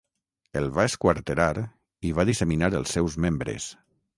El va esquarterar i va disseminar els seus membres.